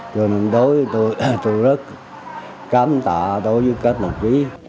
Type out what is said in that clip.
rồi đối với tôi tôi rất cảm tạ đối với các đồng chí